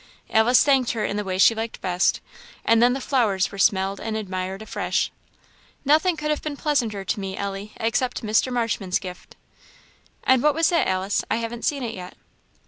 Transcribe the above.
Alice thanked her in the way she liked best, and then the flowers were smelled and admired afresh. "Nothing could have been pleasanter to me, Ellie, except Mr. Marshman's gift." "And what was that, Alice? I haven't seen it yet."